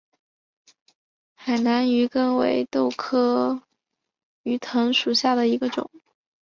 海南鱼藤为豆科鱼藤属下的一个种。